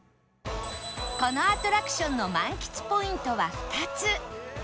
このアトラクションの満喫ポイントは２つ